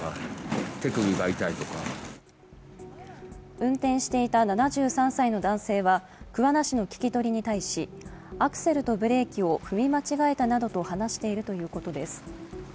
運転していた７３歳の男性は桑名市の聞き取りに対しアクセルとブレーキを踏み間違えたなどと話しているということです。